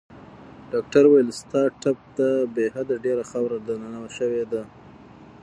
ډاکټر وویل: ستا ټپ ته بې حده ډېره خاوره دننه شوې ده.